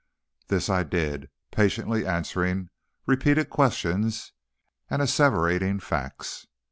This I did, patiently answering repeated questions and asseverating facts.